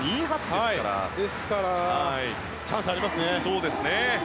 ですからチャンスありますね。